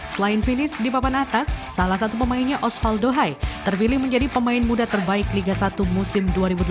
selain finish di papan atas salah satu pemainnya osvaldo hai terpilih menjadi pemain muda terbaik liga satu musim dua ribu delapan belas